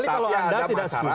tapi ada masyarakat